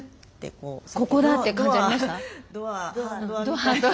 ここだって感じありました？